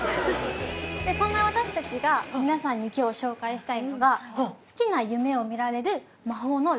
そんな私たちが皆さんに今日紹介したいのが。